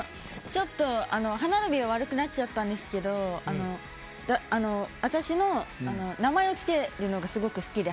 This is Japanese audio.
ちょっと歯並びは悪くなっちゃったんですけど私、名前を付けるのが好きで。